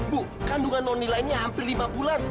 bu kandungan nonila ini hampir lima bulan